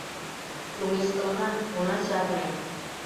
Чоҥештылына, она чарне: